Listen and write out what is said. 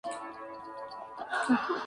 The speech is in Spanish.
La música fue compuesta por Michael Nyman.